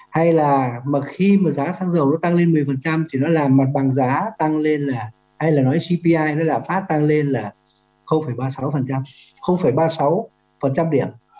hay là khi mà giá xăng dầu nó tăng lên một mươi thì nó làm mặt bằng giá tăng lên là hay là nói cpi nó lạm phát tăng lên là ba mươi sáu ba mươi sáu điểm